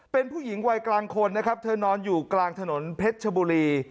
เป็นผู้หญิงวัยกลางคนนะครับเธอนอนอยู่กลางถนนเพชรชบุรี